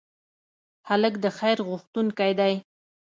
هلک د خیر غوښتونکی دی.